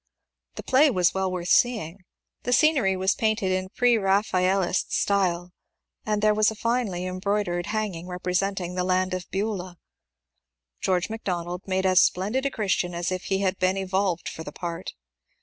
The play was well worth seeing. The scenery was painted in Preraphaelist style, and there was a finely embroidered hanging representing the land of Beulah. George Macdonald made as splendid a Christian as if he had been evolved for the part.